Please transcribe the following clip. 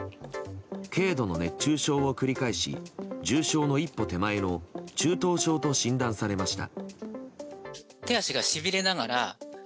軽度の熱中症を繰り返し重症の一歩手前の中等症と診断されました。